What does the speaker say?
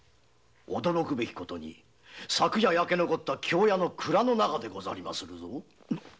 驚くべき事に昨夜焼け残った京屋の蔵の中でござりまするぞ。